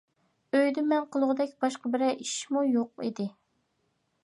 ئۆيدە مەن قىلغۇدەك باشقا بىرەر ئىشمۇ يوق ئىدى.